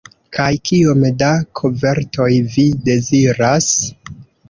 Kaj kiom da kovertoj vi deziras?